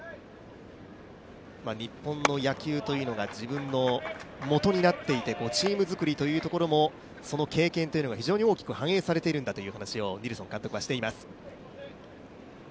日本の野球というのが自分のもとになっていてチーム作りというところも、その経験が非常に大きく反映されてるんだとニルソン監督は話しています。